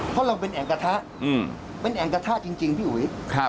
เพราะเราเป็นแอ่งกระทะเป็นแอ่งกระทะจริงพี่อุ๋ย